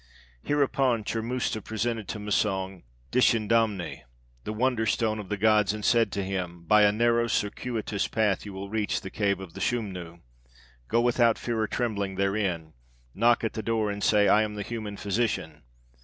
"Hereupon Churmusta presented to Massang, Dschindamani, the wonder stone of the Gods, and said unto him, 'By a narrow circuitous path you will reach the cave of the Schumnu. Go without fear or trembling therein. Knock at the door and say, "I am the human physician."